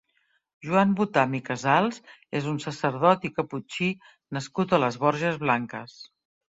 Joan Botam i Casals és un sacerdot i caputxí nascut a les Borges Blanques.